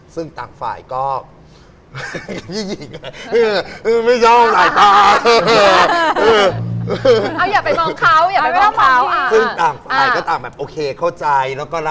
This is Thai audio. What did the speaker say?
ซึ่งต่างฝ่ายก็